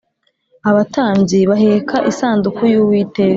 abatambyi baheka isanduku y Uwiteka